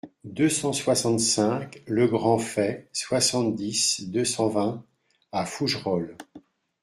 deux cent soixante-cinq le Grand Fays, soixante-dix, deux cent vingt à Fougerolles